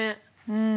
うん。